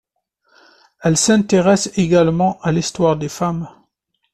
Elle s'intéresse également à l'histoire des femmes.